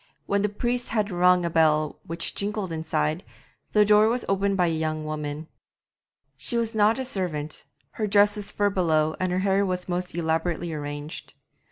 When the priest had rung a bell which jingled inside, the door was opened by a young woman. She was not a servant, her dress was fur belowed and her hair was most elaborately arranged.